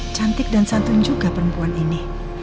cantik dan santun juga perempuan ini